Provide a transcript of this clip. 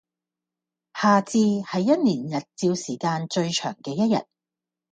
夏至係一年日照時間最長嘅一日